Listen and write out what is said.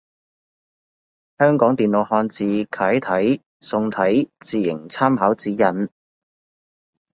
香港電腦漢字楷體宋體字形參考指引